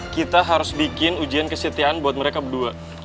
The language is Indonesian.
kita harus bikin ujian kesetiaan buat mereka berdua